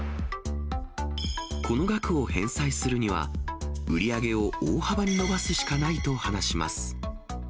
この額を返済するには、売り上げを大幅に伸ばすしかないと話します。